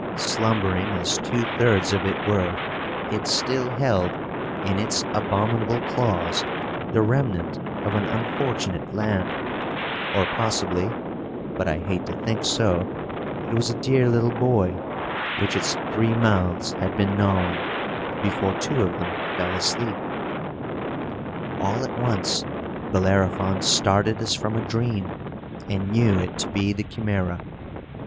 Slumbering as two thirds of it were, it still held, in its abominable claws, the remnant of an unfortunate lamb or possibly (but I hate to think so) it was a dear little boy which its three mouths had been gnawing, before two of them fell asleep! All at once, Bellerophon started as from a dream, and knew it to be the Chimæra.